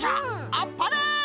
あっぱれ！